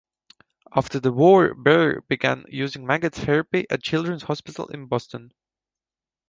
After the war Baer began using maggot therapy at Children's Hospital in Boston.